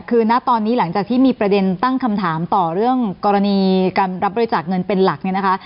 คือณตอนนี้หลังจากที่มีประเด็นตั้งคำถามต่อเรื่องกรณีการรับบริจาคเงินเป็นหลักเนี่ยนะคะ